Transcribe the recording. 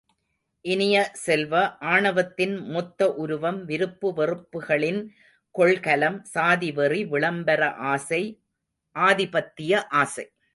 இனிய செல்வ, ஆணவத்தின் மொத்த உருவம், விருப்பு வெறுப்புகளின் கொள்கலம், சாதி வெறி, விளம்பர ஆசை, ஆதிபத்திய ஆசை.